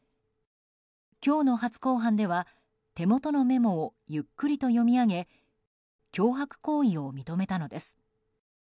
今日の初公判では手元のメモをゆっくりと読み上げ脅迫行為を認めたのです。